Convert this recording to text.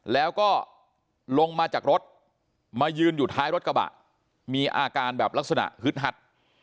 แล้วก็ลงมาจากรถมายืนอยู่ท้ายรถกระบะมีอาการแบบลักษณะฮึดฮัด